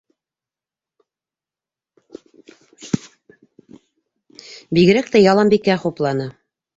Бигерәк тә Яланбикә хупланы.